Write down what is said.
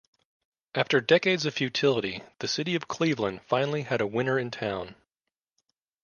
After decades of futility, the city of Cleveland finally had a winner in town.